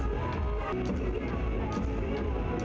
สวัสดีครับ